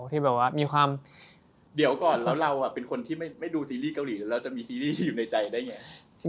เดี๋ยวก่อนเราเป็นคนที่ไม่ดูซีรีส์เกาหลีแล้วจะมีซีรีส์ที่อยู่ในใจได้ไง